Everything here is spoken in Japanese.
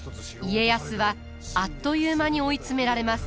家康はあっという間に追い詰められます。